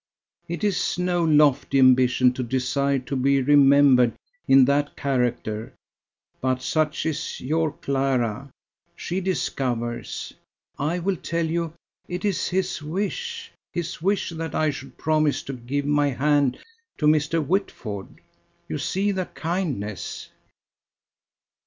It is no lofty ambition to desire to be remembered in that character, but such is your Clara, she discovers. I will tell you. It is his wish ... his wish that I should promise to give my hand to Mr. Whitford. You see the kindness."